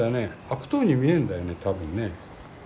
悪党に見えるんだよね多分ね。